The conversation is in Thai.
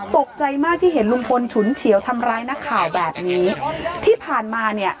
ตกใจมากที่เห็นลุงพลฉุนเฉียวทำร้ายนักข่าวแบบนี้ที่ผ่านมาเนี่ย